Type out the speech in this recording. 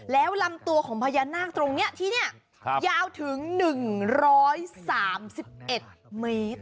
แล้วลำตัวของพญานาคตรงนี้ที่นี่ยาวถึง๑๓๑เมตร